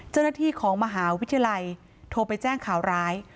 เจ้าหน้าที่ของมหาวิทยาลัยโทรไปแจ้งข่าวร้าย